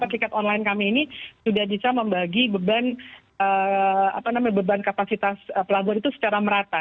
tiket online kami ini sudah bisa membagi beban kapasitas pelabuhan itu secara merata